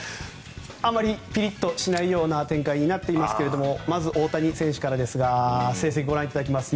あんまりピリッとしないような展開になっていますがまず大谷選手からですが成績をご覧いただきます。